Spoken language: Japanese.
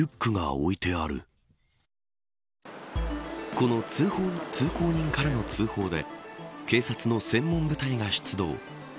この通行人からの通報で警察の専門部隊が出動。